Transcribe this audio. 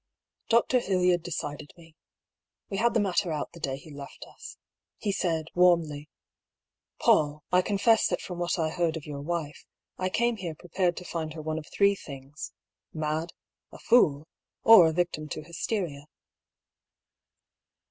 Dr. Hildyard decided me. We had the matter out the day he left us. He said, warmly :" PauU, I confess that from what I heard of your wife, I came here prepared to find her one of three things: mad, a fool, or a victim to hysteria.